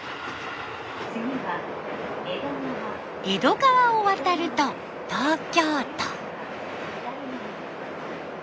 江戸川を渡ると東京都。